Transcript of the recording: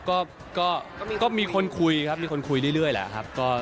ก็มีคนคุยครับมีคนคุยเรื่อยแหละครับ